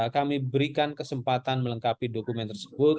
kami berikan kesempatan melengkapi dokumen tersebut